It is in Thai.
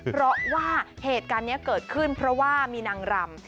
เพราะว่าเหตุการณ์นี้เกิดขึ้นเพราะว่ามีนางรำ